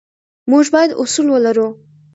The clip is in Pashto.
موږ باید اصول ولرو.